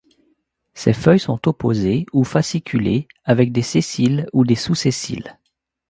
Ses feuilles sont opposées ou fasciculées avec des sessiles ou des sous-sessiles.